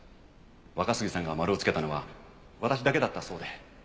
若杉さんがマルをつけたのは私だけだったそうで。